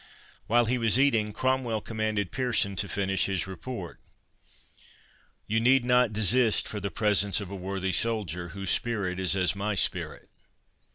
While he was eating, Cromwell commanded Pearson to finish his report—"You need not desist for the presence of a worthy soldier, whose spirit is as my spirit."